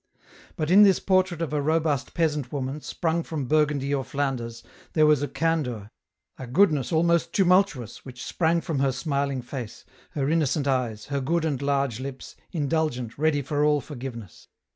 But in this portrait of a robust peasant woman, sprung from Burgundy or Flanders, there was a candour, a goodness almost tumultuous, which sprang from her smiling face, her innocent eyes, her good and large Ups, indulgent, ready for all forgiveness.